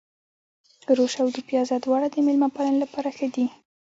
روش او دوپيازه دواړه د مېلمه پالنې لپاره ښه دي.